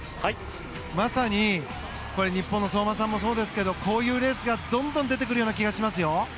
まさに日本の相馬さんもそうですがこういうレースがどんどん出てくる気がしますよ。